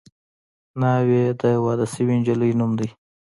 ناوې د واده شوې نجلۍ نوم دی